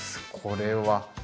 これは。